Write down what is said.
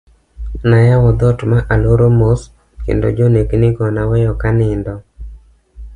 Nayawo dhoot ma aloro mos ,kendo jonek ni go naweyo kanindo.